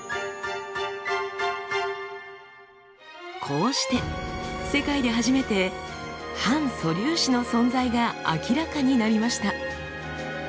こうして世界で初めて反素粒子の存在が明らかになりました。